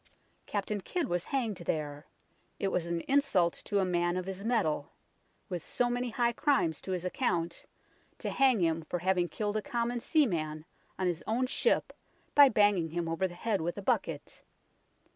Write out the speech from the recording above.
Captain WAPPING HIGH STREET 127 Kidd was hanged there ; it was an insult to a man of his mettle, with so many high crimes to his account, to hang him for having killed a common seaman on his own ship by banging him over the head with a bucket.